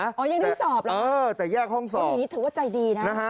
อ๋อยังได้สอบเหรอคือถือว่าใจดีนะฮะเออแต่แยกห้องสอบ